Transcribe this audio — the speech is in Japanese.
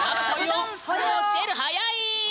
「ダンスを教える」はやい！